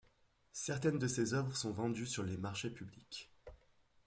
Certaines de ses œuvres sont vendues sur les marchés publics.